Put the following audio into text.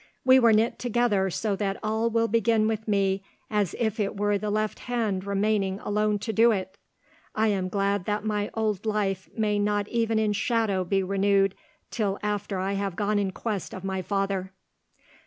"We were knit together so that all will begin with me as if it were the left hand remaining alone to do it! I am glad that my old life may not even in shadow be renewed till after I have gone in quest of my father."